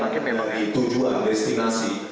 dan data yang bagi tujuan destinasi